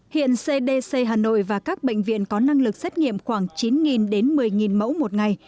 hiện cdc hà nội và các bệnh viện có năng lực xét nghiệm khoảng chín đến một mươi mẫu một ngày